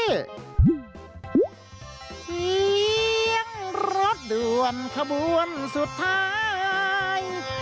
เสียงรถด่วนขบวนสุดท้าย